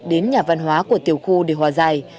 đến nhà văn hóa của tiểu khu để hòa giải